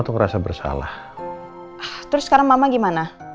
terus sekarang mama gimana